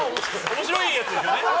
面白いやつですよね。